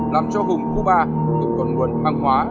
làm cho hùng cuba cũng còn nguồn hàng hóa